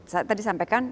saya tadi sampaikan